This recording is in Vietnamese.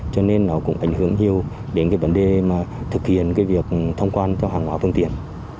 cho nên nó cũng ảnh hưởng nhiều đến cái vấn đề mà thực hiện cái việc thông quan cho hàng hóa phương tiện